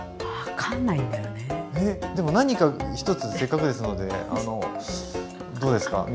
でも何か１つせっかくですのでどうですか？